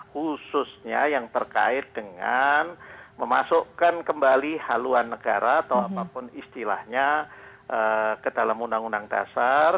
khususnya yang terkait dengan memasukkan kembali haluan negara atau apapun istilahnya ke dalam undang undang dasar